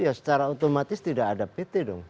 ya secara otomatis tidak ada pt dong